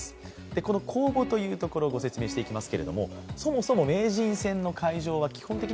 この公募というところ、ご説明していきます。